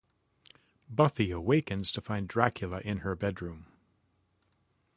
Buffy awakens to find Dracula in her bedroom.